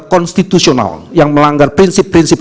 konstitusional yang melanggar prinsip prinsip